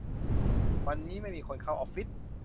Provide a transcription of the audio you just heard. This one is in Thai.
วันนี้ไม่มีคนเข้าออฟฟิศ